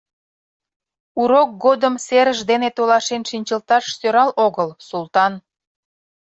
— Урок годым серыш дене толашен шинчылташ сӧрал огыл, Султан.